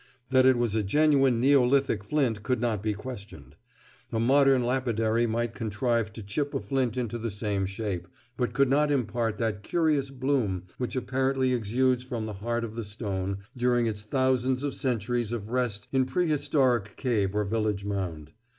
That it was a genuine neolithic flint could not be questioned. A modern lapidary might contrive to chip a flint into the same shape, but could not impart that curious bloom which apparently exudes from the heart of the stone during its thousands of centuries of rest in prehistoric cave or village mound.